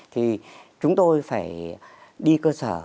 thì chúng tôi phải đi cơ sở